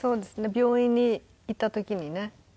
病院に行った時にね。